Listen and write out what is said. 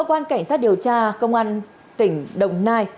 cơ quan cảnh sát điều tra công an tỉnh đồng nai